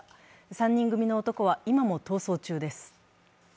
３人組の男は今も逃走中です。